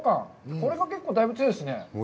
これがだいぶ強いですね。